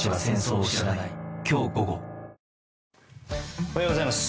おはようございます。